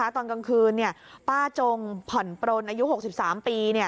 ตอนกลางคืนป้าจงผ่อนปลนอายุ๖๓ปี